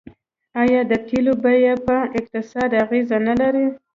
آیا د تیلو بیه په اقتصاد اغیز نلري؟